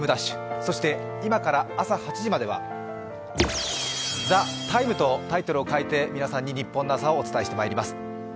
そして今から朝８時までは「ＴＨＥＴＩＭＥ，」とタイトルを変えて皆さんにニッポンの朝をお伝えしてまいります。